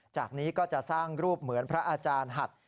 จากนี้ก็จะสร้างรูปเหมือนพระอาจารย์หัด